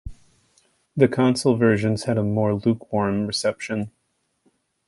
The console versions had a more lukewarm reception.